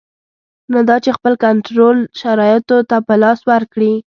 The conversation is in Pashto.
نه دا چې خپل کنټرول شرایطو ته په لاس ورکړي.